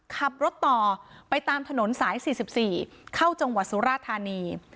ขับรถต่อไปตามถนนสายสี่สิบสี่เข้าจังหวัดสุราชธานี